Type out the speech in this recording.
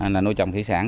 là nuôi trồng thị sản